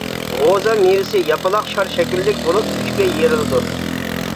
غوزا مېۋىسى ياپىلاق شار شەكىللىك بولۇپ، ئۈچكە يېرىلىدۇ.